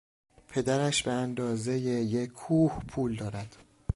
پدرش به اندازهی یک کوه پول دارد.